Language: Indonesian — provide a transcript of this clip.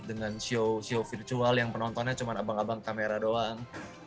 dengan show virtual yang penontonnya cuma abang abang kamera doang